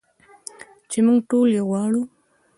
چې موږ ټول یې غواړو.